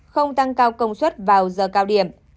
không tăng cao công suất vào giờ cao điểm